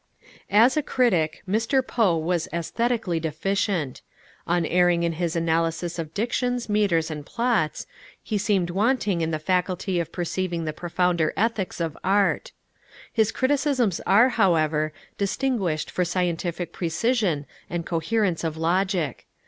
As a critic, Mr. Poe was aesthetically deficient. Unerring in his analysis of dictions, metres and plots, he seemed wanting in the faculty of perceiving the profounder ethics of art. His criticisms are, however, distinguished for scientific precision and coherence of logic.